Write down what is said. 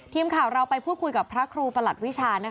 ทีมข่าวเราไปพูดคุยกับพระครูประหลัดวิชา